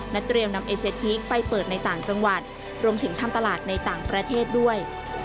เตรียมนำเอเชียทีกไปเปิดในต่างจังหวัดรวมถึงทำตลาดในต่างประเทศด้วย